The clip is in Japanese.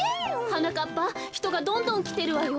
はなかっぱひとがどんどんきてるわよ。